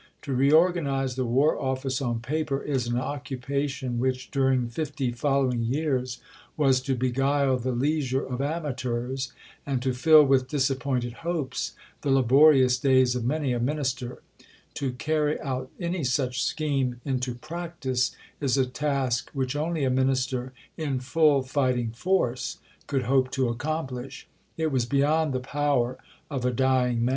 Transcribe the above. To reorganize the War Office on paper is an occupation which, during fifty following years, was to beguile the leisure of amateurs, and to fill with disappointed hopes the laborious days of many a Minister. To carry out any such scheme into practice is a task which only a Minister, in full fighting force, could hope to accomplish. It was beyond the power of a dying man. Army Reform under Lord Herbert, pp.